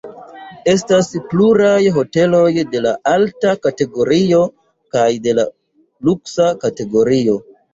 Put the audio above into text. Estas pluraj hoteloj de alta kategorio kaj de la luksa kategorio.